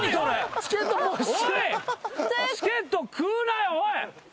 チケット食うなよおい。